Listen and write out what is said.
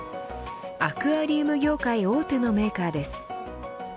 アクアリウム業界大手のメーカーです。